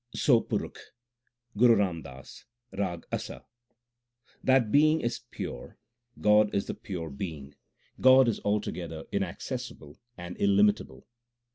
SO PURUKH 1 GURU RAM DAS, RAG ASA That Being is pure, God is the pure Being, God is alto gether inaccessible and illimitable.